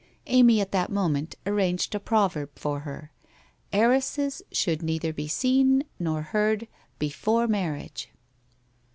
Amy at that moment arranged a proverb for her. ' Heiresses should neither be seen nor heard, before marriage